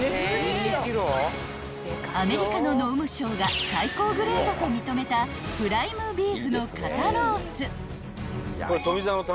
［アメリカの農務省が最高グレードと認めたプライムビーフの肩ロース］